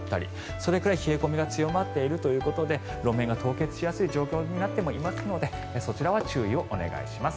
それくらい冷え込みが強まっているということで路面が凍結しやすい状況になってもいますのでそちらは注意をお願いします。